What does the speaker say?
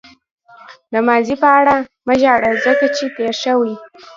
د ماضي په اړه مه ژاړه ځکه چې تېر شوی.